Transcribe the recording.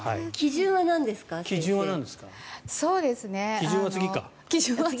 基準は次か。